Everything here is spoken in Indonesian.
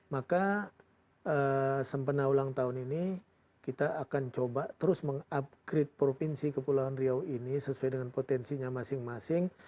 maka sempena ulang tahun ini kita akan coba terus mengupgrade provinsi kepulauan riau ini sesuai dengan potensinya masing masing